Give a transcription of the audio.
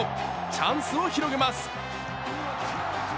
チャンスを広げます。